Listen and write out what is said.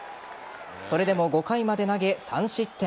それでも５回まで投げ、３失点。